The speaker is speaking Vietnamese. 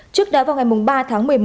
trước đó vào ngày ba tháng một mươi một